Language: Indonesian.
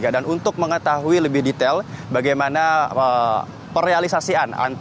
untuk mengetahui lebih detail bagaimana perrealisasian